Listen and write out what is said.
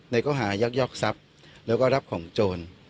ข้อหายักยอกทรัพย์แล้วก็รับของโจร